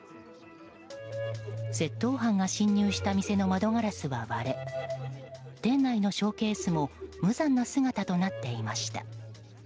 窃盗犯が侵入した店の窓ガラスは割れ店内のショーケースも無残な姿となっていました。